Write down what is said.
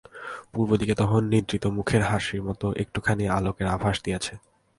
পূর্ব দিকে তখন নিদ্রিত মুখের হাসির মতো একটুখানি আলোকের আভাস দিয়াছে।